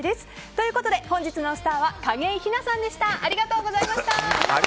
ということで本日のスターは景井ひなさんでした。